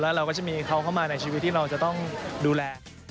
เราก็จะมีเขาเข้ามาในชีวิตที่เราจะต้องดูแล